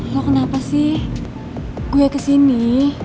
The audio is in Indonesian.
ya kenapa sih gue kesini